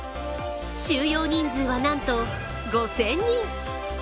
収容人数はなんと５０００人。